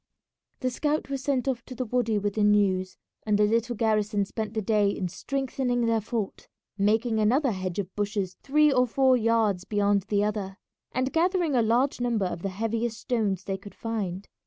The scout was sent off to the wady with the news, and the little garrison spent the day in strengthening their fort, making another hedge of bushes three or four yards beyond the other, and gathering a large number of the heaviest stones they could find.